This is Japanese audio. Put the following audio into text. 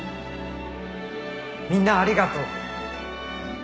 「みんなありがとう」